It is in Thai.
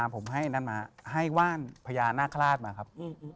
ผมให้ว่านพญานาคลาสมาครับ